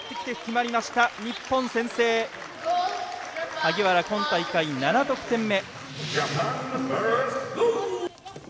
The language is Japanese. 萩原、今大会７得点目。